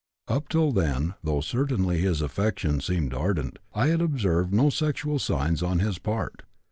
Up till then, though certainly his affection seemed ardent, I had observed no sexual signs on his part.